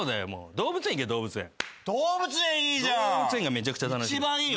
動物園めちゃくちゃ楽しい。